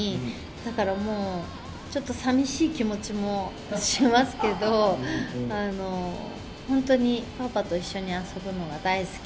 だからもう、ちょっと寂しい気持ちもしますけど、本当にパパと一緒に遊ぶのが大好き。